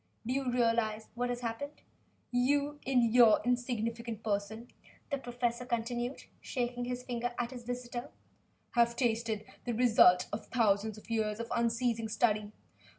Do you realize what has happened? You, sir, you in your insignificant person," the professor continued, shaking his finger at his visitor, "have tasted the result of thousands of years of unceasing study.